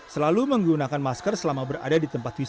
selalu menggunakan masker selama berada di tempat wisata